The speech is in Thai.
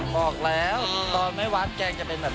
บอกแล้วตอนไม่วัดแกงจะเป็นแบบ